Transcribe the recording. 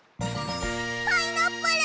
パイナップル！